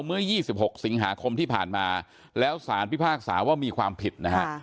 เมื่อ๒๖สิงหาคมที่ผ่านมาแล้วสารพิพากษาว่ามีความผิดนะฮะ